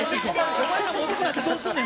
お前らも遅くなってどうすんねん！